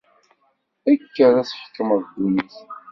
Kker ad tḥekmeḍ ddunit.